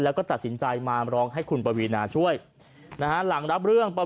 แล้วก็ตัดสินใจมาร้องให้คุณปวีนาช่วยนะฮะหลังรับเรื่อง